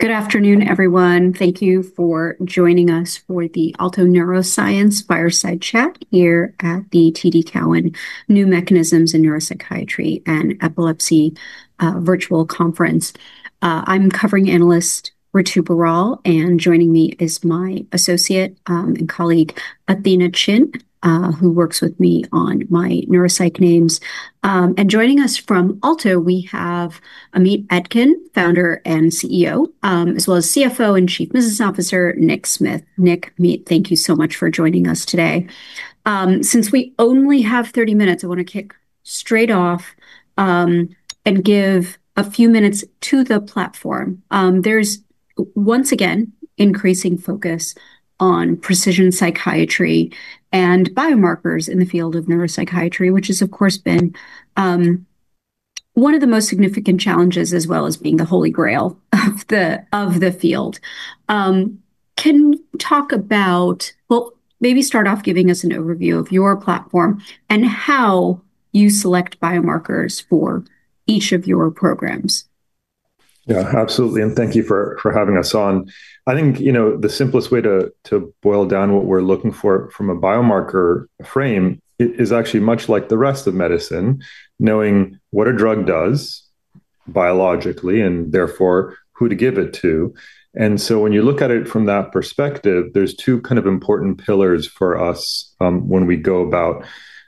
Good afternoon, everyone. Thank you for joining us for the Alto Neuroscience Fireside Chat here at the TD Cowen New Mechanisms in Neuropsychiatry and Epilepsy virtual conference. I'm covering analyst Ritu Biral, and joining me is my associate and colleague, Athena Chin, who works with me on my neuropsych names. Joining us from Alto, we have Amit Etkin, Founder and CEO, as well as CFO and Chief Business Officer, Nick Smith. Nick, Amit, thank you so much for joining us today. Since we only have 30 minutes, I want to kick straight off and give a few minutes to the platform. There's once again increasing focus on precision psychiatry and biomarkers in the field of neuropsychiatry, which has, of course, been one of the most significant challenges, as well as being the holy grail of the field. Can you talk about, maybe start off giving us an overview of your platform and how you select biomarkers for each of your programs? Yeah, absolutely. Thank you for having us on. I think the simplest way to boil down what we're looking for from a biomarker frame is actually much like the rest of medicine, knowing what a drug does biologically and therefore who to give it to. When you look at it from that perspective, there are two kind of important pillars for us when we go about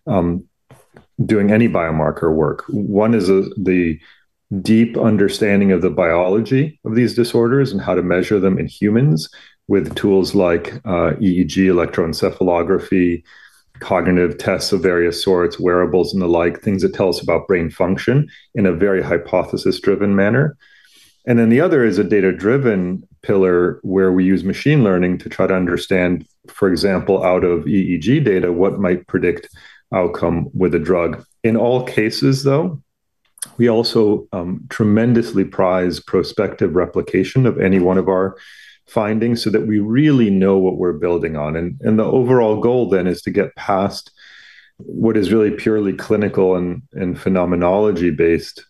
doing any biomarker work. One is the deep understanding of the biology of these disorders and how to measure them in humans with tools like EEG, cognitive tests of various sorts, wearables, and the like, things that tell us about brain function in a very hypothesis-driven manner. The other is a data-driven pillar where we use machine learning to try to understand, for example, out of EEG data, what might predict outcome with a drug. In all cases, we also tremendously prize prospective replication of any one of our findings so that we really know what we're building on. The overall goal then is to get past what is really purely clinical and phenomenology-based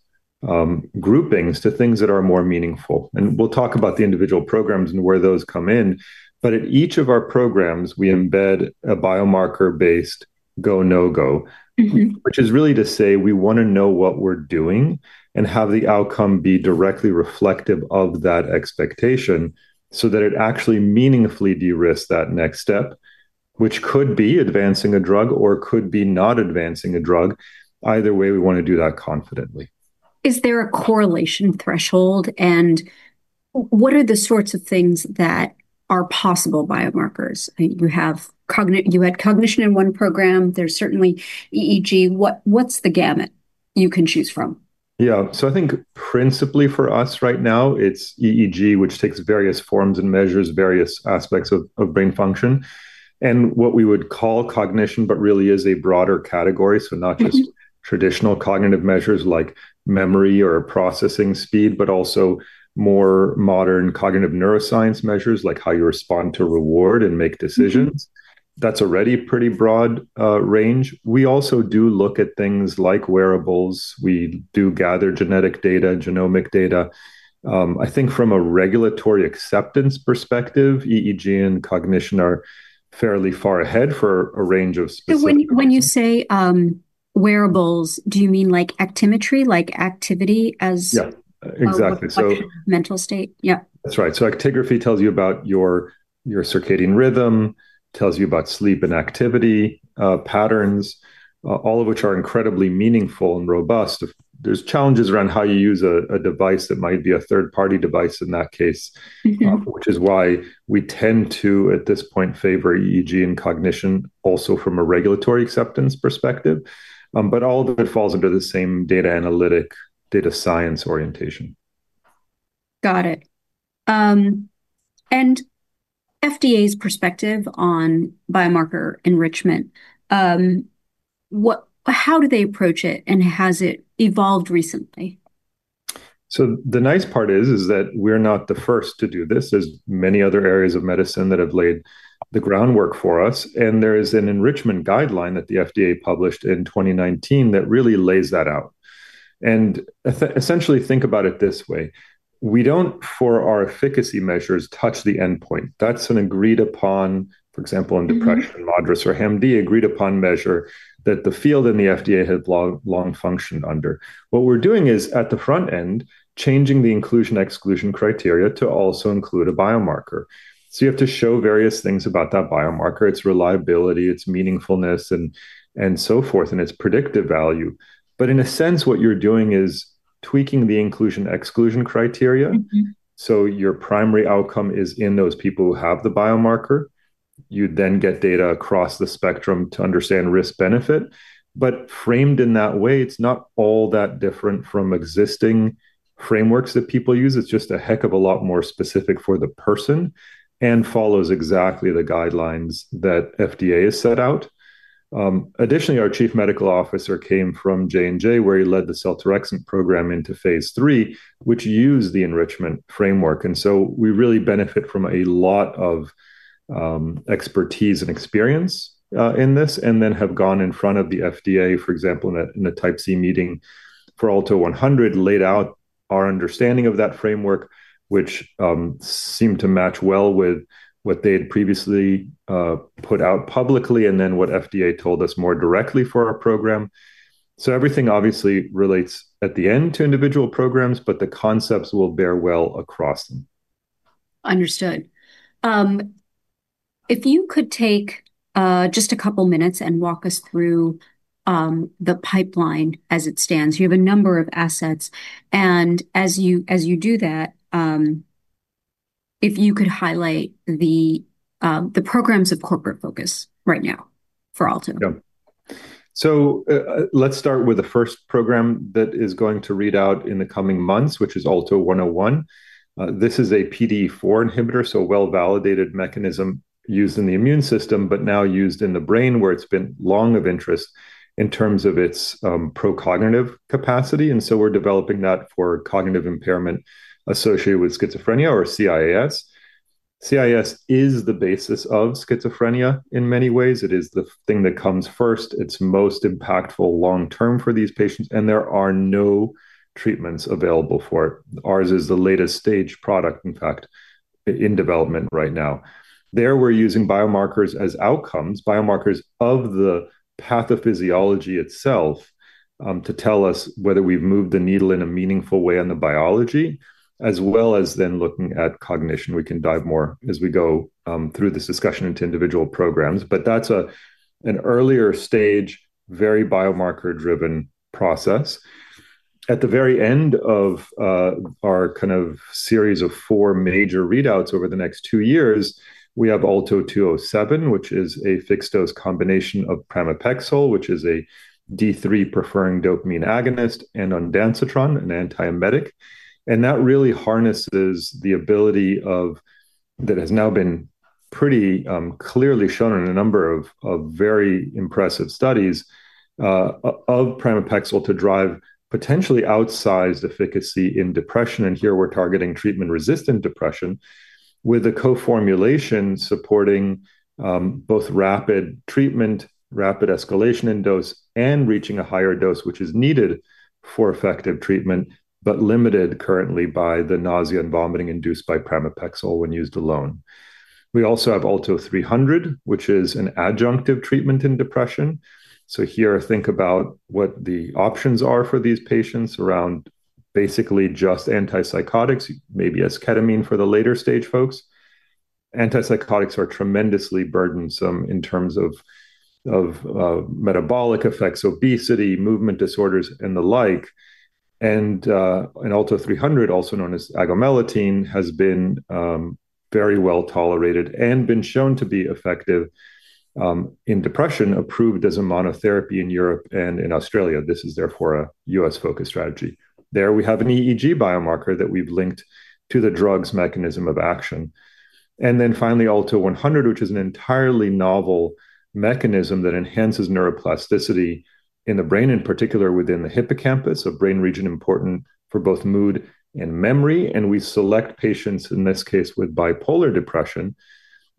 groupings to things that are more meaningful. We'll talk about the individual programs and where those come in. At each of our programs, we embed a biomarker-based go/no-go, which is really to say we want to know what we're doing and have the outcome be directly reflective of that expectation so that it actually meaningfully de-risk that next step, which could be advancing a drug or could be not advancing a drug. Either way, we want to do that confidently. Is there a correlation threshold? What are the sorts of things that are possible biomarkers? You had cognition in one program. There is certainly EEG. What is the gamut you can choose from? Yeah, so I think principally for us right now, it's EEG, which takes various forms and measures various aspects of brain function. What we would call cognition really is a broader category, so not just traditional cognitive measures like memory or processing speed, but also more modern cognitive neuroscience measures like how you respond to reward and make decisions. That's already a pretty broad range. We also do look at things like wearables. We do gather genetic data, genomic data. I think from a regulatory acceptance perspective, EEG and cognition are fairly far ahead for a range of specifics. When you say wearables, do you mean like actimetry, like activity as a mental state? Yeah, exactly. Mental state, yeah. That's right. Actigraphy tells you about your circadian rhythm, tells you about sleep and activity patterns, all of which are incredibly meaningful and robust. There are challenges around how you use a device that might be a third-party device in that case, which is why we tend to, at this point, favor EEG and cognition also from a regulatory acceptance perspective. All of it falls under the same data analytic, data science orientation. Got it. FDA's perspective on biomarker enrichment, how do they approach it, and has it evolved recently? The nice part is that we're not the first to do this. There are many other areas of medicine that have laid the groundwork for us. There is an enrichment guideline that the FDA published in 2019 that really lays that out. Essentially, think about it this way. We don't, for our efficacy measures, touch the endpoint. That's an agreed-upon, for example, in depression, moderacy, or HMD, agreed-upon measure that the field and the FDA have long functioned under. What we're doing is, at the front end, changing the inclusion-exclusion criteria to also include a biomarker. You have to show various things about that biomarker: its reliability, its meaningfulness, and so forth, and its predictive value. In a sense, what you're doing is tweaking the inclusion-exclusion criteria, so your primary outcome is in those people who have the biomarker. You then get data across the spectrum to understand risk-benefit. Framed in that way, it's not all that different from existing frameworks that people use. It's just a heck of a lot more specific for the person and follows exactly the guidelines that FDA has set out. Additionally, our Chief Medical Officer came from J&J, where he led the Cell Torexant program into phase three, which used the enrichment framework. We really benefit from a lot of expertise and experience in this and then have gone in front of the FDA, for example, in a type C meeting for ALTO-100, laid out our understanding of that framework, which seemed to match well with what they had previously put out publicly and then what FDA told us more directly for our program. Everything obviously relates at the end to individual programs, but the concepts will bear well across them. Understood. If you could take just a couple of minutes and walk us through the pipeline as it stands, you have a number of assets. As you do that, if you could highlight the programs of corporate focus right now for Alto. Let's start with the first program that is going to read out in the coming months, which is ALTO-101. This is a PDE4 inhibitor, a well-validated mechanism used in the immune system, but now used in the brain where it's been long of interest in terms of its procognitive capacity. We're developing that for cognitive impairment associated with schizophrenia, or CIS. CIS is the basis of schizophrenia in many ways. It is the thing that comes first. It's most impactful long-term for these patients, and there are no treatments available for it. Ours is the latest stage product, in fact, in development right now. There, we're using biomarkers as outcomes, biomarkers of the pathophysiology itself to tell us whether we've moved the needle in a meaningful way on the biology, as well as then looking at cognition. We can dive more as we go through this discussion into individual programs. That's an earlier stage, very biomarker-driven process. At the very end of our series of four major readouts over the next two years, we have ALTO-207, which is a fixed-dose combination of pramipexole, which is a D3-preferring dopamine agonist, and ondansetron, an antiemetic. That really harnesses the ability that has now been pretty clearly shown in a number of very impressive studies of pramipexole to drive potentially outsized efficacy in depression. Here, we're targeting treatment-resistant depression with a co-formulation supporting both rapid treatment, rapid escalation in dose, and reaching a higher dose, which is needed for effective treatment, but limited currently by the nausea and vomiting induced by pramipexole when used alone. We also have ALTO-300, which is an adjunctive treatment in depression. Here, think about what the options are for these patients around basically just antipsychotics, maybe ketamine for the later stage folks. Antipsychotics are tremendously burdensome in terms of metabolic effects, obesity, movement disorders, and the like. ALTO-300, also known as agomelatine, has been very well tolerated and been shown to be effective in depression, approved as a monotherapy in Europe and in Australia. This is therefore a U.S.-focused strategy. There, we have an EEG biomarker that we've linked to the drug's mechanism of action. Finally, ALTO-100, which is an entirely novel mechanism that enhances neuroplasticity in the brain, in particular within the hippocampus, a brain region important for both mood and memory. We select patients, in this case, with bipolar depression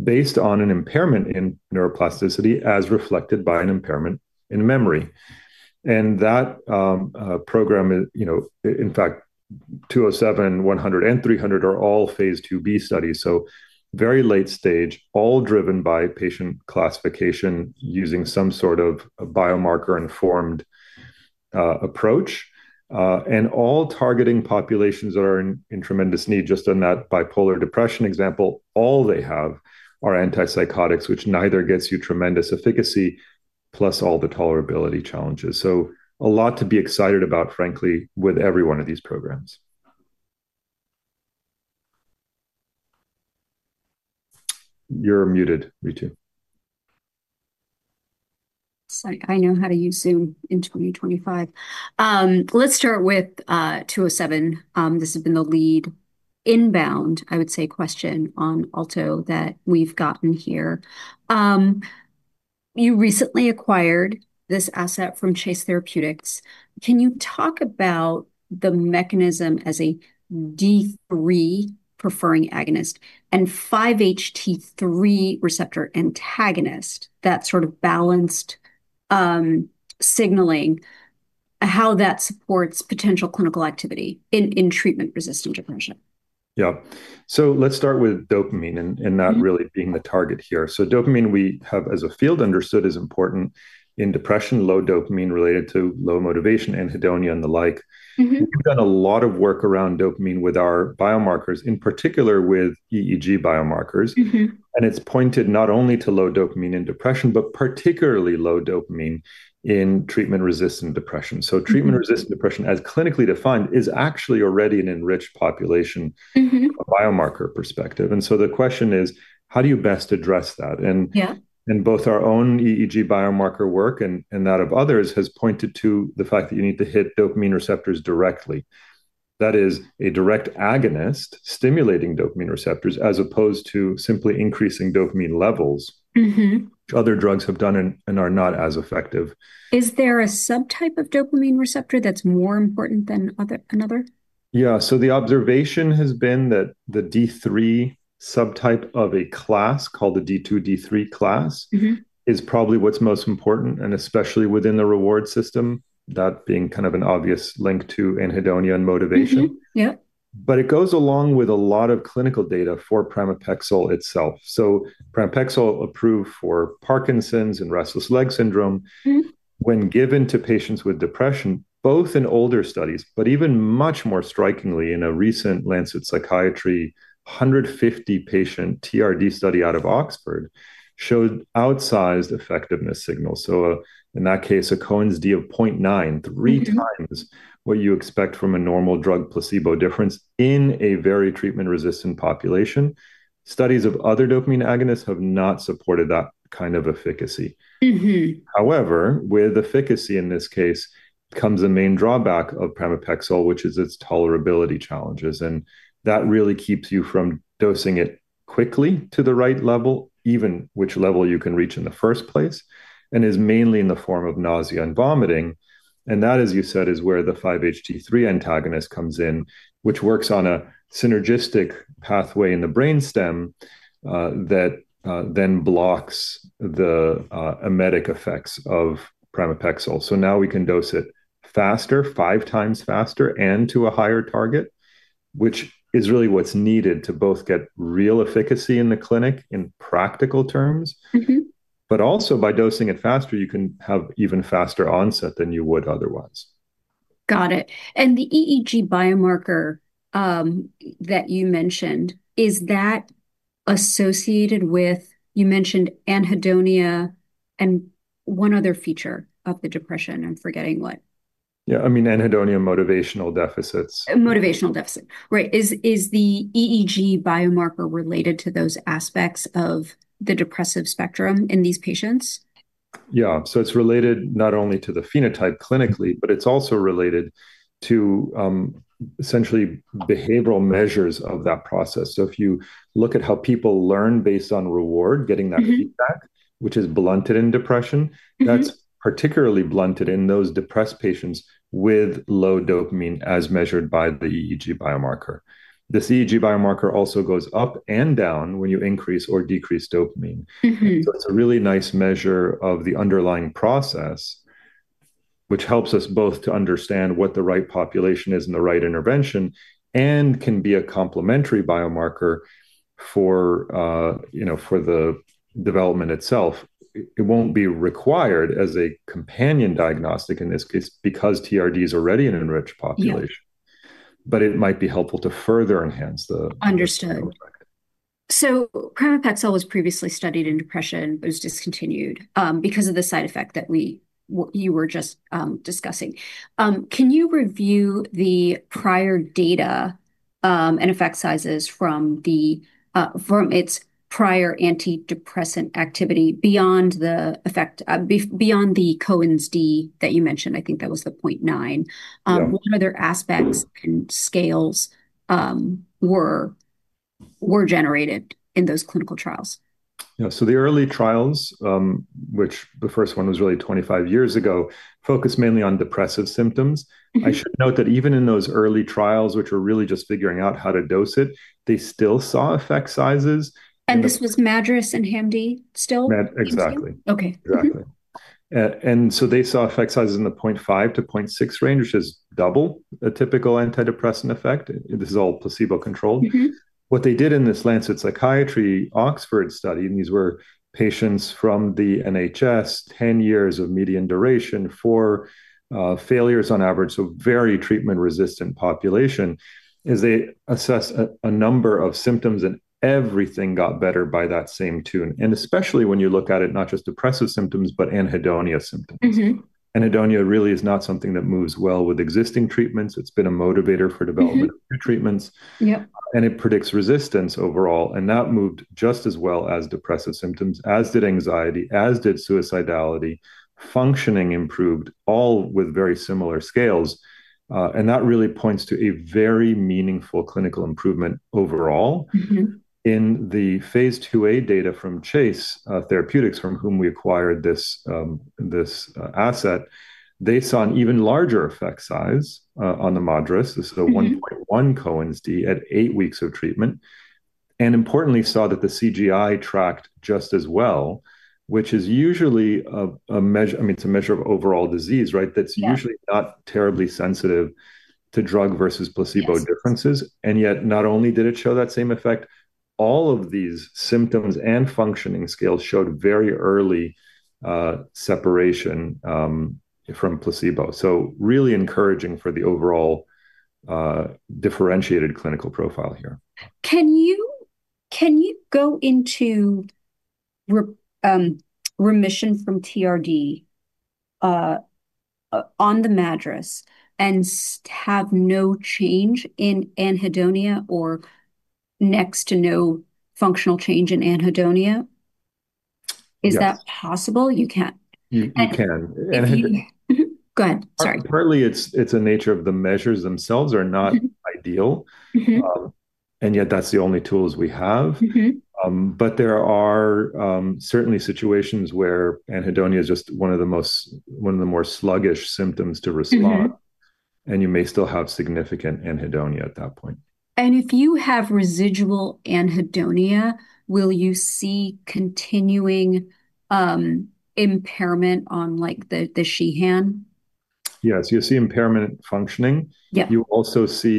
based on an impairment in neuroplasticity as reflected by an impairment in memory. That program, in fact, ALTO-207, ALTO-100, and ALTO-300 are all phase IIB studies, very late stage, all driven by patient classification using some sort of biomarker-informed approach and all targeting populations that are in tremendous need. In that bipolar depression example, all they have are antipsychotics, which neither gets you tremendous efficacy plus all the tolerability challenges. There is a lot to be excited about, frankly, with every one of these programs. You're muted, Ritu. Sorry, I know how to use Zoom in 2025. Let's start with 207. This has been the lead inbound, I would say, question on Alto that we've gotten here. You recently acquired this asset from Chase Therapeutics. Can you talk about the mechanism as a D3 dopamine receptor-preferring agonist and 5-HT3 receptor antagonist, that sort of balanced signaling, how that supports potential clinical activity in treatment-resistant depression? Yeah. Let's start with dopamine and that really being the target here. Dopamine, we have as a field understood, is important in depression, low dopamine related to low motivation, anhedonia, and the like. We've done a lot of work around dopamine with our biomarkers, in particular with EEG biomarkers. It's pointed not only to low dopamine in depression, but particularly low dopamine in treatment-resistant depression. Treatment-resistant depression, as clinically defined, is actually already an enriched population from a biomarker perspective. The question is, how do you best address that? Both our own EEG biomarker work and that of others has pointed to the fact that you need to hit dopamine receptors directly. That is a direct agonist stimulating dopamine receptors as opposed to simply increasing dopamine levels, which other drugs have done and are not as effective. Is there a subtype of dopamine receptor that's more important than another? Yeah. The observation has been that the D3 subtype of a class called the D2-D3 class is probably what's most important, especially within the reward system, that being kind of an obvious link to anhedonia and motivation. It goes along with a lot of clinical data for pramipexole itself. Pramipexole, approved for Parkinson's and restless leg syndrome, when given to patients with depression, both in older studies and much more strikingly in a recent Lancet Psychiatry 150 patient TRD study out of Oxford, showed outsized effectiveness signals. In that case, a Cohen's D of 0.9, three times what you expect from a normal drug placebo difference in a very treatment-resistant population. Studies of other dopamine agonists have not supported that kind of efficacy. However, with efficacy in this case comes a main drawback of pramipexole, which is its tolerability challenges. That really keeps you from dosing it quickly to the right level, even which level you can reach in the first place, and is mainly in the form of nausea and vomiting. That, as you said, is where the 5-HT3 antagonist comes in, which works on a synergistic pathway in the brainstem that then blocks the emetic effects of pramipexole. Now we can dose it faster, five times faster, and to a higher target, which is really what's needed to both get real efficacy in the clinic in practical terms, but also by dosing it faster, you can have even faster onset than you would otherwise. Got it. The EEG biomarker that you mentioned, is that associated with, you mentioned anhedonia and one other feature of the depression. I'm forgetting what. Yeah, I mean anhedonia, motivational deficits. Motivational deficits, right. Is the EEG biomarker related to those aspects of the depressive spectrum in these patients? Yeah. It's related not only to the phenotype clinically, but it's also related to essentially behavioral measures of that process. If you look at how people learn based on reward, getting that feedback, which is blunted in depression, that's particularly blunted in those depressed patients with low dopamine as measured by the EEG biomarker. This EEG biomarker also goes up and down when you increase or decrease dopamine. It's a really nice measure of the underlying process, which helps us both to understand what the right population is and the right intervention and can be a complementary biomarker for the development itself. It won't be required as a companion diagnostic in this case because TRD is already an enriched population. It might be helpful to further enhance the. Understood. Pramipexole was previously studied in depression, but it was discontinued because of the side effect that you were just discussing. Can you review the prior data and effect sizes from its prior antidepressant activity beyond the Cohen's D that you mentioned? I think that was the 0.9. What other aspects and scales were generated in those clinical trials? The early trials, which the first one was really 25 years ago, focused mainly on depressive symptoms. I should note that even in those early trials, which were really just figuring out how to dose it, they still saw effect sizes. Was this MADRS and HAMD still? Exactly. Okay. Exactly. They saw effect sizes in the 0.5 to 0.6 range, which is double a typical antidepressant effect. This is all placebo controlled. What they did in this Lancet Psychiatry Oxford study, and these were patients from the NHS, 10 years of median duration for failures on average, so very treatment-resistant population, is they assess a number of symptoms and everything got better by that same tune. Especially when you look at it, not just depressive symptoms, but anhedonia symptoms. Anhedonia really is not something that moves well with existing treatments. It's been a motivator for development of new treatments. It predicts resistance overall. That moved just as well as depressive symptoms, as did anxiety, as did suicidality. Functioning improved all with very similar scales. That really points to a very meaningful clinical improvement overall. In the phase IIA data from Chase Therapeutics, from whom we acquired this asset, they saw an even larger effect size on the MADRS, so the 1.1 Cohen's D at eight weeks of treatment. Importantly, saw that the CGI tracked just as well, which is usually a measure, I mean, it's a measure of overall disease, right? That's usually not terribly sensitive to drug versus placebo differences. Yet, not only did it show that same effect, all of these symptoms and functioning scales showed very early separation from placebo. Really encouraging for the overall differentiated clinical profile here. Can you go into remission from TRD on the MADRS and have no change in anhedonia or next to no functional change in anhedonia? Is that possible? You can. Go ahead. Sorry. Partly, it's a nature of the measures themselves. The measures are not ideal, yet that's the only tools we have. There are certainly situations where anhedonia is just one of the most sluggish symptoms to respond, and you may still have significant anhedonia at that point. If you have residual anhedonia, will you see continuing impairment on the Sheehan? Yes, you see impairment in functioning. You also see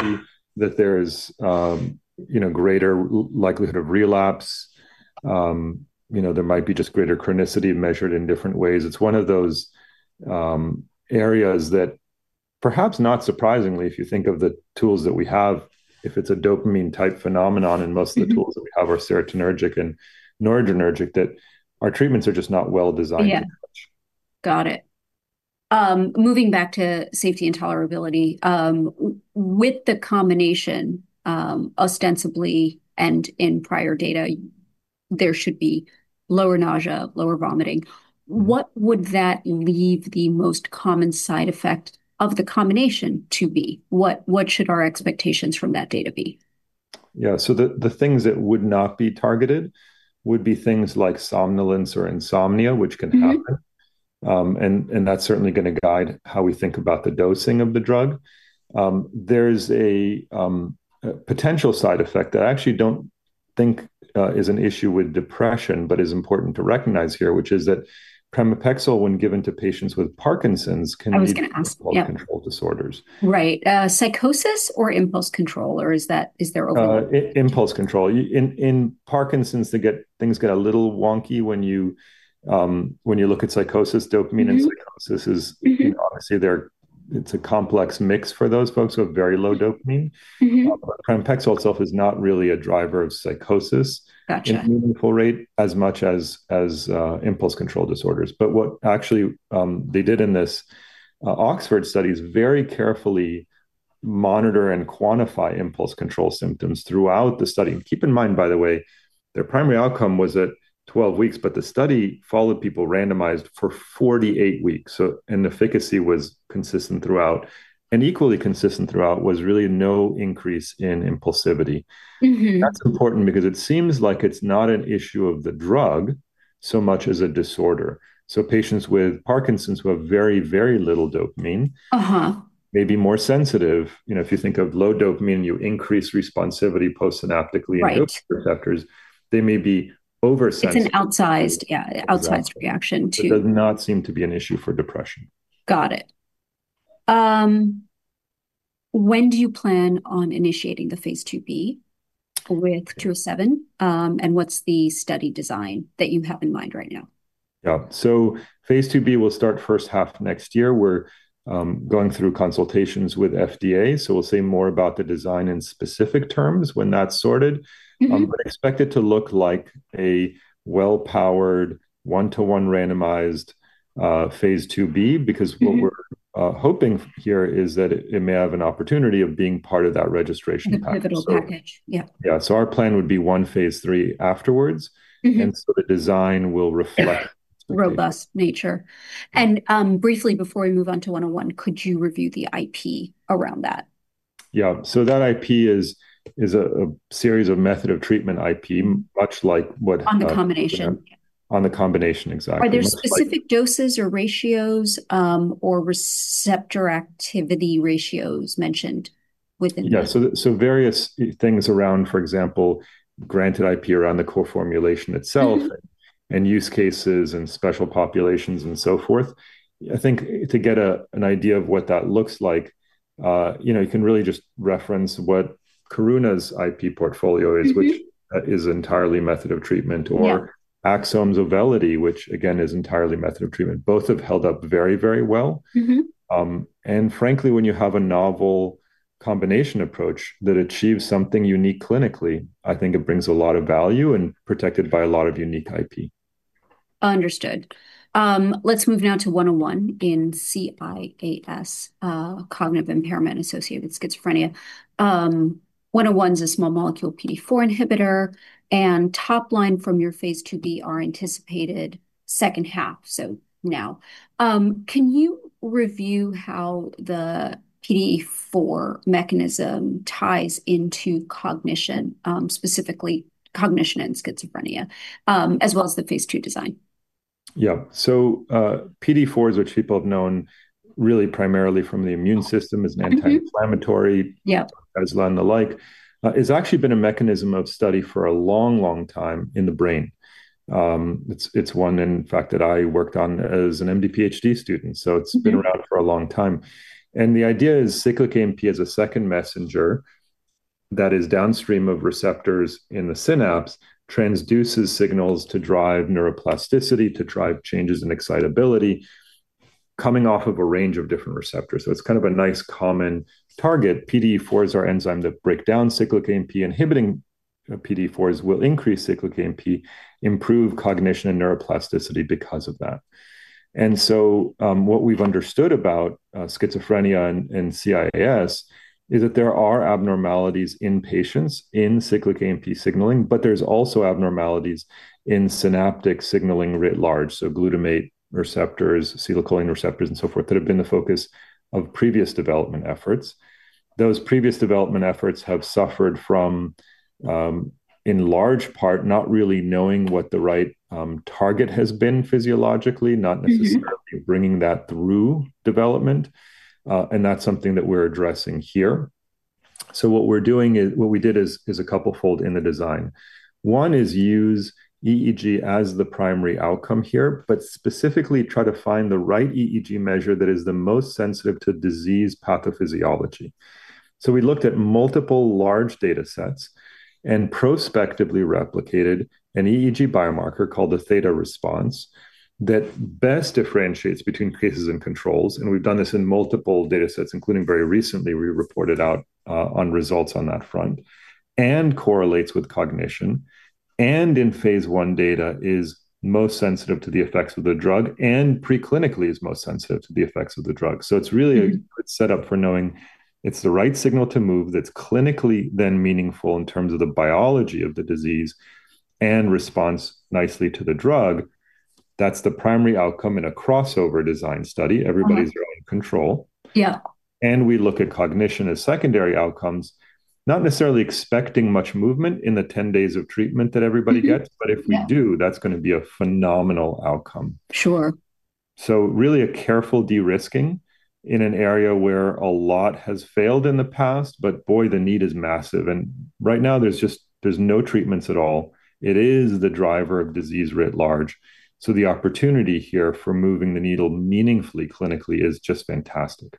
that there is greater likelihood of relapse. There might be just greater chronicity measured in different ways. It's one of those areas that, perhaps not surprisingly, if you think of the tools that we have, if it's a dopamine-type phenomenon, and most of the tools that we have are serotonergic and noradrenergic, our treatments are just not well designed. Got it. Moving back to safety and tolerability, with the combination, ostensibly, and in prior data, there should be lower nausea, lower vomiting. What would that leave the most common side effect of the combination to be? What should our expectations from that data be? Yeah. The things that would not be targeted would be things like somnolence or insomnia, which can happen. That's certainly going to guide how we think about the dosing of the drug. There's a potential side effect that I actually don't think is an issue with depression, but is important to recognize here, which is that pramipexole, when given to patients with Parkinson's, can lead to multiple control disorders. Right. Psychosis or impulse control? Is there? Impulse control. In Parkinson's, things get a little wonky when you look at psychosis. Dopamine and psychosis is, obviously, it's a complex mix for those folks who have very low dopamine. Pramipexole itself is not really a driver of psychosis in a meaningful rate as much as impulse control disorders. What they did in this Oxford study is very carefully monitor and quantify impulse control symptoms throughout the study. Keep in mind, by the way, their primary outcome was at 12 weeks, but the study followed people randomized for 48 weeks. Inefficacy was consistent throughout. Equally consistent throughout was really no increase in impulsivity. That's important because it seems like it's not an issue of the drug so much as a disorder. Patients with Parkinson's who have very, very little dopamine may be more sensitive. If you think of low dopamine, you increase responsivity postsynaptically in those receptors. They may be oversensitive. It's an outsized reaction to. That does not seem to be an issue for depression. Got it. When do you plan on initiating the phase IIB with ALTO-207? What's the study design that you have in mind right now? Phase IIB will start first half next year. We're going through consultations with the FDA. We'll say more about the design in specific terms when that's sorted. Expect it to look like a well-powered one-to-one randomized phase IIB because what we're hoping here is that it may have an opportunity of being part of that registration package. The pivotal package, yeah. Yeah. Our plan would be one phase III afterwards, and the design will reflect. Robust nature. Briefly, before we move on to 101, could you review the IP around that? Yeah, that IP is a series of methods of treatment IP, much like what. On the combination. On the combination, exactly. Are there specific doses or ratios or receptor activity ratios mentioned within? Various things around, for example, granted IP around the core formulation itself and use cases and special populations and so forth. I think to get an idea of what that looks like, you can really just reference what Karuna's IP portfolio is, which is entirely a method of treatment, or Axsome's Auvelity, which again is entirely a method of treatment. Both have held up very, very well. Frankly, when you have a novel combination approach that achieves something unique clinically, I think it brings a lot of value and is protected by a lot of unique IP. Understood. Let's move now to ALTO-101 in CIAS, cognitive impairment associated with schizophrenia. ALTO-101 is a small molecule PDE4 inhibitor. Top line from your phase IIB are anticipated second half. Can you review how the PDE4 mechanism ties into cognition, specifically cognition and schizophrenia, as well as the phase II design? Yeah. PDE4 is what people have known really primarily from the immune system as an anti-inflammatory, as well as the like. It's actually been a mechanism of study for a long, long time in the brain. It's one, in fact, that I worked on as an MD PhD student. It's been around for a long time. The idea is cyclic AMP as a second messenger that is downstream of receptors in the synapse, transduces signals to drive neuroplasticity, to drive changes in excitability, coming off of a range of different receptors. It's kind of a nice common target. PDE4 is our enzyme that breaks down cyclic AMP. Inhibiting PDE4 will increase cyclic AMP, improve cognition and neuroplasticity because of that. What we've understood about schizophrenia and CIAS is that there are abnormalities in patients in cyclic AMP signaling, but there's also abnormalities in synaptic signaling writ large. Glutamate receptors, acetylcholine receptors, and so forth have been the focus of previous development efforts. Those previous development efforts have suffered from, in large part, not really knowing what the right target has been physiologically, not necessarily bringing that through development. That's something that we're addressing here. What we're doing is a couple fold in the design. One is use EEG as the primary outcome here, but specifically try to find the right EEG measure that is the most sensitive to disease pathophysiology. We looked at multiple large data sets and prospectively replicated an EEG biomarker called the theta response that best differentiates between cases and controls. We've done this in multiple data sets, including very recently. We reported out on results on that front and correlates with cognition and in phase one data is most sensitive to the effects of the drug and preclinically is most sensitive to the effects of the drug. It's really a setup for knowing it's the right signal to move that's clinically then meaningful in terms of the biology of the disease and responds nicely to the drug. That's the primary outcome in a crossover design study, everybody's control. We look at cognition as secondary outcomes, not necessarily expecting much movement in the 10 days of treatment that everybody gets, but if we do, that's going to be a phenomenal outcome. Sure. is really a careful de-risking in an area where a lot has failed in the past, but boy, the need is massive. Right now, there's just no treatments at all. It is the driver of disease writ large. The opportunity here for moving the needle meaningfully clinically is just fantastic.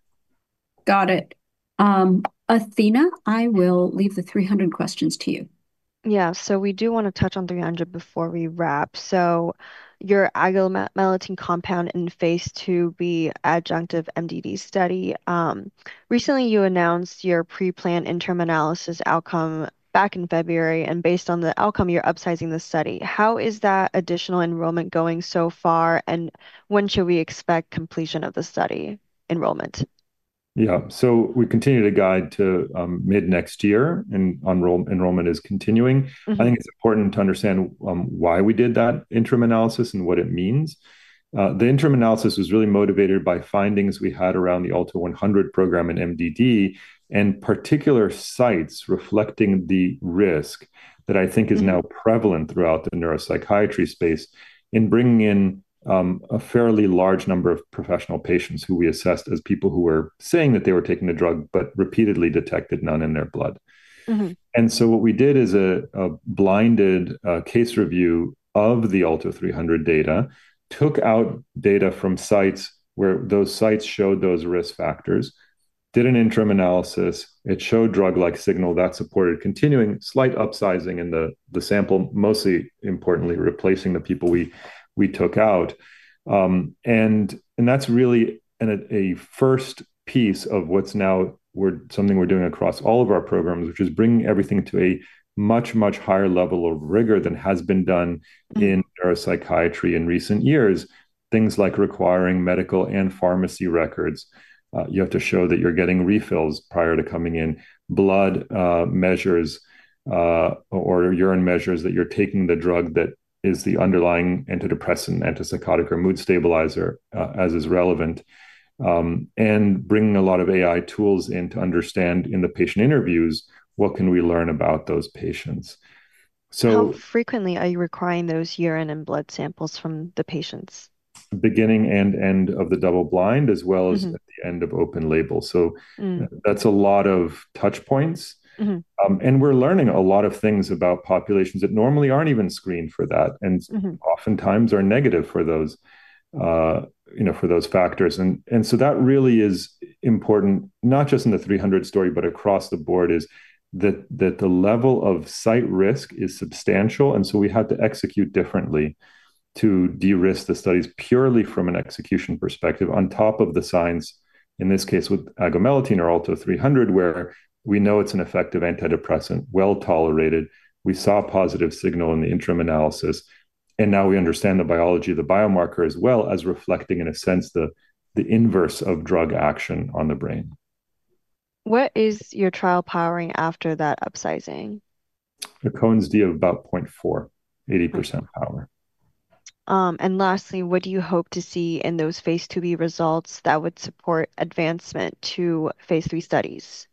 Got it. Athena, I will leave the 300 questions to you. Yeah. We do want to touch on 300 before we wrap. Your agomelatine compound in phase IIB adjunctive MDD study, recently you announced your pre-planned interim analysis outcome back in February. Based on the outcome, you're upsizing the study. How is that additional enrollment going so far? When should we expect completion of the study enrollment? Yeah. We continue to guide to mid next year, and enrollment is continuing. I think it's important to understand why we did that interim analysis and what it means. The interim analysis was really motivated by findings we had around the ALTO-100 program in MDD and particular sites reflecting the risk that I think is now prevalent throughout the neuropsychiatry space in bringing in a fairly large number of professional patients who we assessed as people who were saying that they were taking the drug but repeatedly detected none in their blood. What we did is a blinded case review of the ALTO-300 data, took out data from sites where those sites showed those risk factors, did an interim analysis. It showed drug-like signal that supported continuing slight upsizing in the sample, most importantly replacing the people we took out. That's really a first piece of what's now something we're doing across all of our programs, which is bringing everything to a much, much higher level of rigor than has been done in neuropsychiatry in recent years. Things like requiring medical and pharmacy records. You have to show that you're getting refills prior to coming in, blood measures or urine measures that you're taking the drug that is the underlying antidepressant, antipsychotic, or mood stabilizer as is relevant. Bringing a lot of AI tools in to understand in the patient interviews what can we learn about those patients. How frequently are you requiring those urine and blood samples from the patients? Beginning and end of the double blind, as well as at the end of open label. That's a lot of touch points. We're learning a lot of things about populations that normally aren't even screened for that and oftentimes are negative for those factors. That really is important, not just in the ALTO-300 story, but across the board, that the level of site risk is substantial. We had to execute differently to de-risk the studies purely from an execution perspective on top of the science, in this case with agomelatine or ALTO-300, where we know it's an effective antidepressant, well tolerated. We saw a positive signal in the interim analysis. Now we understand the biology of the biomarker as well as reflecting, in a sense, the inverse of drug action on the brain. What is your trial powering after that upsizing? The Cohen's d of about 0.4, 80% power. What do you hope to see in those phase IIB results that would support advancement to phase III studies?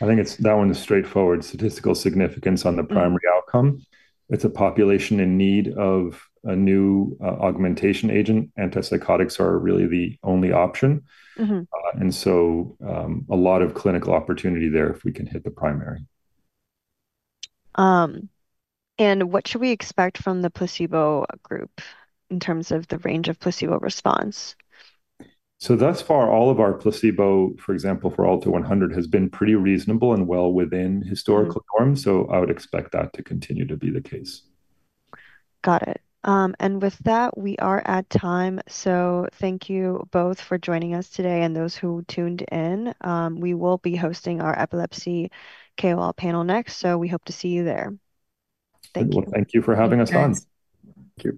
I think that one is straightforward. Statistical significance on the primary outcome. It's a population in need of a new augmentation agent. Antipsychotics are really the only option, so a lot of clinical opportunity there if we can hit the primary. What should we expect from the placebo group in terms of the range of placebo response? All of our placebo, for example, for ALTO-100 has been pretty reasonable and well within historical norms. I would expect that to continue to be the case. Got it. With that, we are at time. Thank you both for joining us today and those who tuned in. We will be hosting our Epilepsy KOL panel next. We hope to see you there. Thank you. Thank you for having us on. Thanks. Thank you.